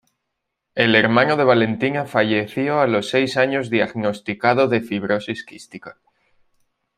El hermano de Valentina falleció a los seis años diagnosticado de fibrosis quística.